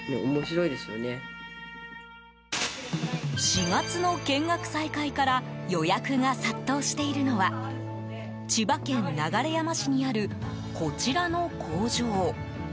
４月の見学再開から予約が殺到しているのは千葉県流山市にあるこちらの工場。